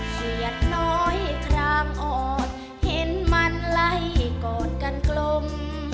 เสียดน้อยพรางอ่อนเห็นมันไล่กอดกันกลม